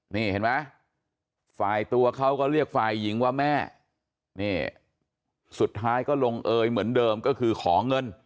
นี่เห็นไหมฝ่ายตัวเขาก็เรียกฝ่ายหญิงว่าแม่นี่สุดท้ายก็ลงเอยเหมือนเดิมก็คือขอเงิน